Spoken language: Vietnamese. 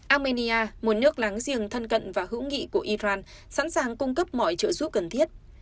armenia một nước láng giềng thân cận và hữu nghị của iran sẵn sàng cung cấp mọi trợ giúp cần thiết